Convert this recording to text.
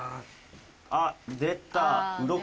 あっ出た。